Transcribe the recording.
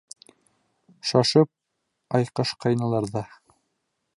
Шашып айҡашҡайнылар ҙа.